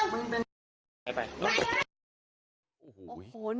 เขาไม่เขามายเขามาออกไปเลย